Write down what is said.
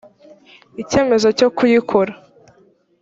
icyemezo cyo kuyikora